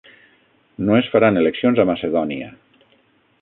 No es faran eleccions a Macedònia